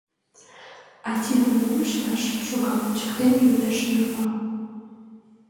— А тидым мом ышташ? — шогам ончыктен, йодеш Йорма.